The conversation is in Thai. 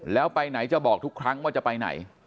แล้วไปไหนจะบอกทุกครั้งว่าจะไปไหน